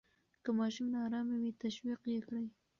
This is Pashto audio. که ماشوم نا آرامه وي، تشویق یې کړئ.